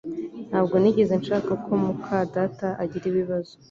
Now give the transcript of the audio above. Ntabwo nigeze nshaka ko muka data agira ibibazo